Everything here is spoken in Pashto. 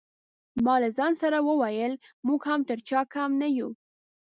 ما له ځان سره وویل موږ هم تر چا کم نه یو.